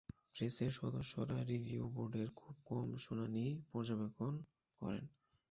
প্রেসের সদস্যরা রিভিউ বোর্ডের খুব কম শুনানিই পর্যবেক্ষণ করেন।